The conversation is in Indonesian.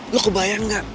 lo kebayang gak